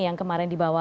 yang kemarin dibawa